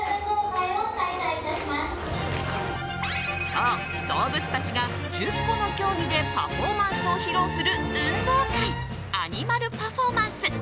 そう動物たちが１０個の競技でパフォーマンスを披露する運動会アニマルパフォーマンス。